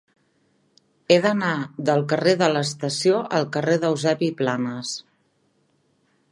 He d'anar del carrer de l'Estació al carrer d'Eusebi Planas.